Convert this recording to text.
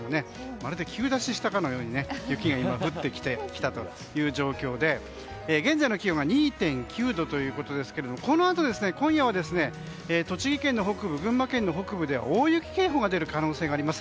まるでＱ出ししたかのように雪が降ってきた状況で現在の気温が２．９度ということですがこのあと今夜は栃木県の北部群馬県の北部で大雪警報が出る可能性があります。